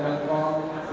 bisa mereka semua mencari